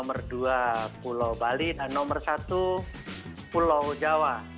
kemudian kemudian kemudian kemudian kemudian kemudian pulau bali dan nomor satu pulau jawa